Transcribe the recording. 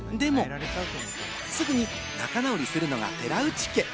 でもすぐに仲直りするのが寺内家。